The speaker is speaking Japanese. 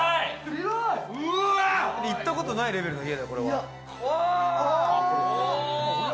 行ったことがないレベルの家だよ！